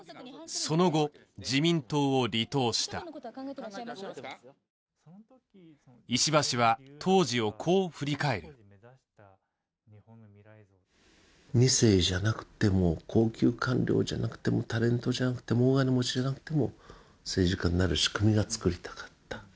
その後石破氏は当時をこう振り返る２世じゃなくても高級官僚じゃなくてもタレントじゃなくても大金持ちじゃなくても政治家になる仕組みがつくりたかった